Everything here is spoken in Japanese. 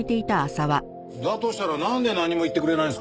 だとしたらなんで何も言ってくれないんですかね？